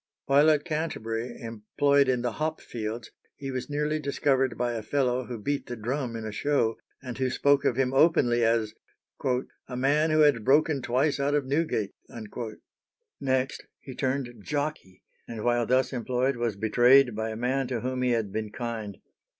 While at Canterbury, employed in the hop fields, he was nearly discovered by a fellow who beat the drum in a show, and who spoke of him openly as "a man who had broken twice out of Newgate." Next he turned jockey, and while thus employed was betrayed by a man to whom he had been kind.